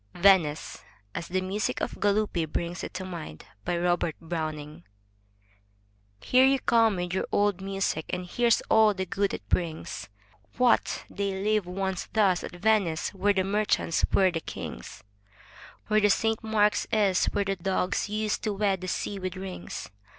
VENICE {As the music of Galuppi brings it to mind) Robert Browning Here you come with your old music, and here's all the good it brings. What! they lived once thus at Venice where the merchants were the kings, Where Saint Mark's is, where the Doges used to wed the sea with rings?